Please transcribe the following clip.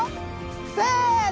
せの！